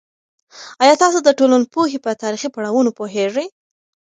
ایا تاسو د ټولنپوهنې په تاریخي پړاوونو پوهیږئ؟